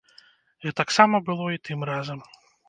Гэтаксама было і тым разам.